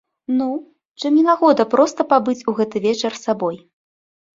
Ну, чым не нагода проста пабыць у гэты вечар сабой?